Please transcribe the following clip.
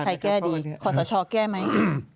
ใครแก้ดีข้อสชแก้ไหม